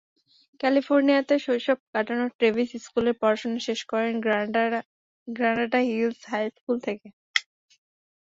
ক্যালিফোর্নিয়াতে শৈশব কাটানো ট্রেভিস স্কুলের পড়াশোনা শেষ করেন গ্রানাডা হিলস হাইস্কুল থেকে।